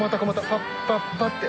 パッパッパッて。